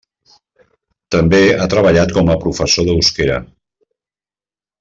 També ha treballat com a professor d'euskera.